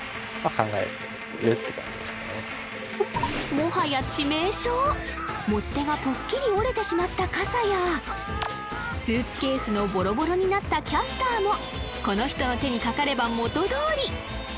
もはや致命傷持ち手がポッキリ折れてしまった傘やスーツケースのボロボロになったキャスターもこの人の手にかかれば元どおり